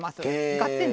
「ガッテン！」